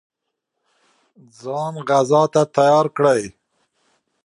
ځان غزا ته تیار کړي.